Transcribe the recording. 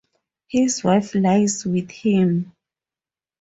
His wife lies with him.